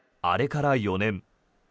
あれから４年。